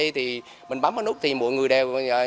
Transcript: thì mình bấm nút thì mọi người đều